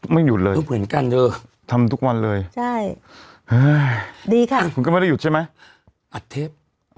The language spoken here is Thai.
ไม่หยุดเลยทำทุกวันเลยใช่ดีค่ะคุณก็ไม่ได้หยุดใช่ไหมอัดเทพ